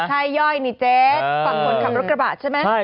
ใช่ย่อยนี่เจ๊ฝั่งคนขับรถกระบะใช่ไหม